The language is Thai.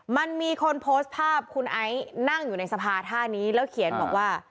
มันมีคนโพสต์ภาพคุณไอซ์นั่งอยู่ในสภาท่านี้แล้วเขียนบอกว่า